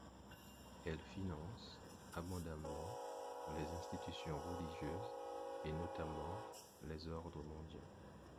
Elle finance abondamment les institutions religieuses, et notamment les ordres mendiants.